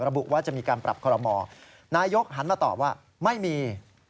ระบุว่าจะมีการปรับคอรมอนายกหันมาตอบว่าไม่มี